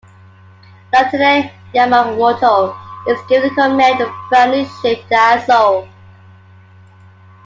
Lieutenant Yamamoto is given command of the brand new ship, the Aso.